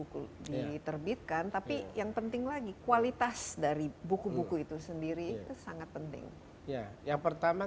buku diterbitkan tapi yang penting lagi kualitas dari buku buku itu sendiri itu sangat penting ya yang pertama